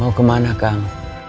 kamu mau kemana kang